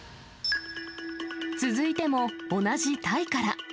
続いても同じタイから。